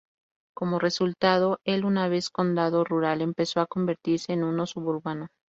Como resultado, el una vez condado rural empezó a convertirse en uno suburbano.